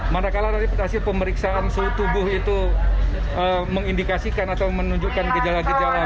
manakala dari hasil pemeriksaan suhu tubuh itu mengindikasikan atau menunjukkan gejala gejala